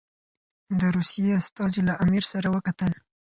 د روسیې استازي له امیر سره وکتل.